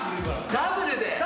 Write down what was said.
ダブルで！